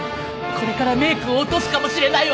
これからメイクを落とすかもしれないわ。